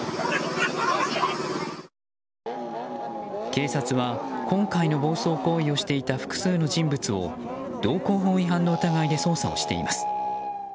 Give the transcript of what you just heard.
警察は今回の暴走行為をしていた複数の人物を道交法違反の疑いで捜査をしています。